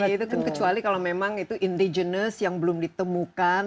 iya itu kan kecuali kalau memang itu indigenous yang belum ditemukan